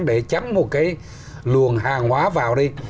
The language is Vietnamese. để chấm một cái luồng hàng hóa vào đi